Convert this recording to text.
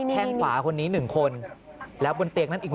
แค่งขวาคนนี้๑คนแล้วบนเตียงนั้นอีก๑